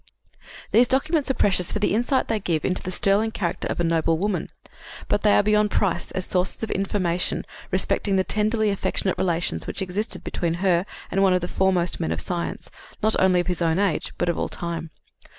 These documents are precious for the insight they give into the sterling character of a noble woman, but they are beyond price as sources of information respecting the tenderly affectionate relations which existed between her and one of the foremost men of science, not only of his own age, but of all time.